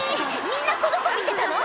みんなこの子見てたの？